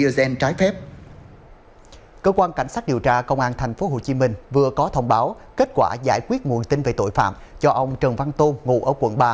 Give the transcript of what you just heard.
cơ quan cảnh sát điều tra công an tp hcm vừa có thông báo kết quả giải quyết nguồn tin về tội phạm cho ông trần văn tôn ngụ ở quận ba